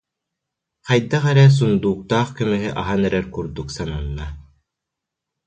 Хайдах эрэ сундууктаах көмүһү аһан эрэр курдук сананна